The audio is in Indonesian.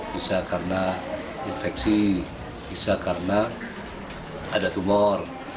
bisa karena infeksi bisa karena ada tumor